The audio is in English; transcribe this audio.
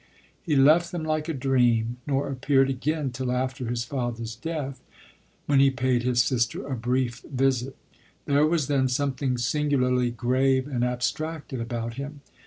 He • left them like a dream, nor appeared again till after his father's death, when he paid his sister a brief visit. There was then something singu larly grave and abstracted about him.